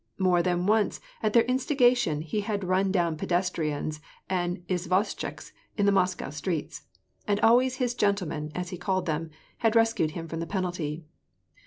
More than once at their instigation he had run down pedestrians and izvoshchiks in the Moscow streets, and always his " gentlemen," as he called them, had rescued him from the penalty.